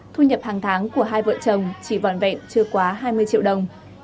thu nhập hàng tháng của hai vợ chồng chỉ vòn vẹn chưa quá hai mươi triệu đồng